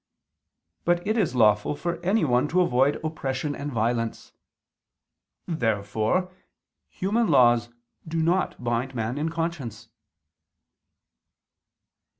But it is lawful for anyone to avoid oppression and violence. Therefore human laws do not bind man in conscience.